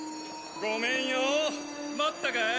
ごめんよ待ったかい？